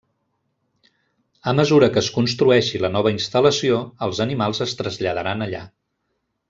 A mesura que es construeixi la nova instal·lació, els animals es traslladaran allà.